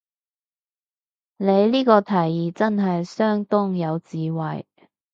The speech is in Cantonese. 你呢個提議真係相當有智慧